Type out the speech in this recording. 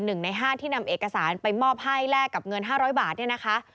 หนึ่งในห้าที่นำเอกสารไปมอบให้แลกกับเงิน๕๐๐บาทเนี่ยนะคะ